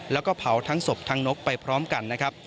แล้วก็เผาทั้งศพทั้งนกไปพร้อมกันนะครับ